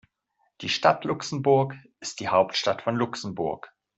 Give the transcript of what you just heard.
Die Stadt Luxemburg ist die Hauptstadt von Luxemburg.